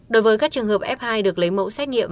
đối với các trường hợp f hai được lấy mẫu xét nghiệm